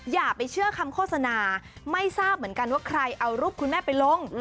อย่าไปเชื่อคำโฆษณาไม่ทราบเหมือนกันว่าใครเอารูปคุณแม่ไปลง